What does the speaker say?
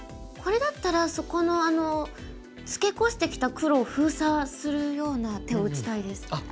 これだったらそこのツケコしてきた黒を封鎖するような手を打ちたいです。